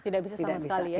tidak bisa sama sekali